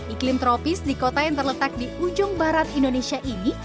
iklim tropis di kota yang terletak di ujung barat indonesia ini